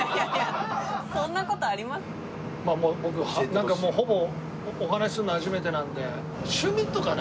僕なんかもうほぼお話しするの初めてなので。